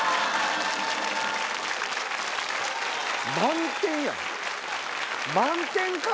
満点やん！